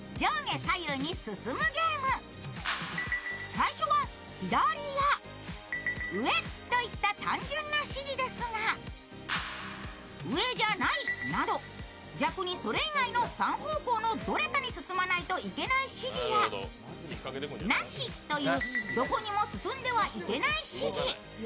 最初は、左や上といった単純な支持ですが、「上じゃない」など、逆に３方向のどれかに進まなければいけない指示や「なし」というどこにも進んではいけない指示。